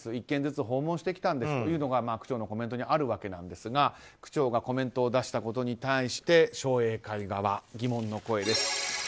１軒ずつ訪問してきたんですというのが区長のコメントにあるわけですが区長がコメントを出したことに対して商栄会側、疑問の声です。